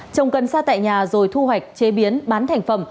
trồng cân sa tại nhà rồi thu hoạch chế biến bán thành phẩm